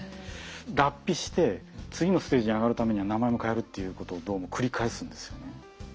脱皮して次のステージに上がるために名前も変えるっていうことをどうも繰り返すんですよね。